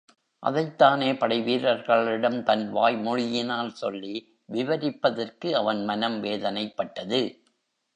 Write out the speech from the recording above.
அதைத் தானே படை வீரர்களிடம் தன் வாய்மொழியினால் சொல்லி விவரிப்பதற்கு அவன் மனம் வேதனைப்பட்டது.